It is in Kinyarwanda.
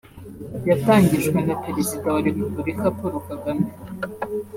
yatangijwe na Perezida wa Repubulika Paul Kagame